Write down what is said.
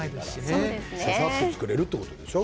ささっと作れるということでしょ？